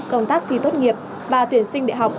công tác thi tốt nghiệp và tuyển sinh đại học